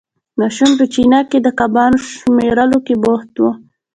ماشوم په چینه کې د کبانو شمېرلو کې بوخت وو.